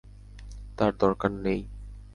তার দরকার নেই।